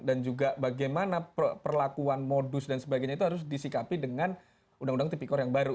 dan juga bagaimana perlakuan modus dan sebagainya itu harus disikapi dengan undang undang tipikor yang baru